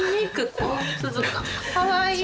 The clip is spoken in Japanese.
かわいい！